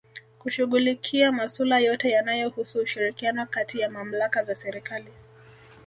Kushughulikia masula yote yanayohusu ushirikiano kati ya Malmaka za Serikali